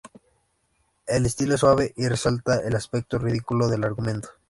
El estilo es suave y resalta el aspecto ridículo del argumento.